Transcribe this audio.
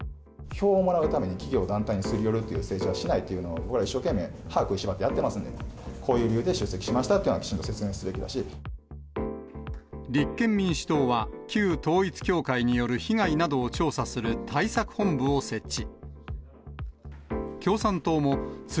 票をもらうために、企業、団体にすり寄るという政治はしないということを僕ら、一生懸命、歯食いしばってやっていますんで、こういう理由で出席しましたとい立憲民主党は旧統一教会による被害などを調査する対策本部を設置。